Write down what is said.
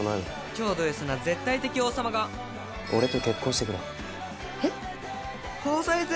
超ドＳな絶対的王様が俺と結婚してくれえっ！？